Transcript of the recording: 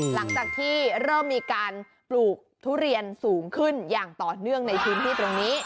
หลังจากที่เริ่มมีการปลูกทุเรียนสูงขึ้นอย่างต่อเนื่องในพื้นที่ตรงนี้